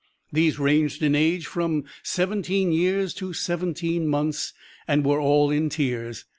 These ranged in age from seventeen years to seventeen months, and were all in tears.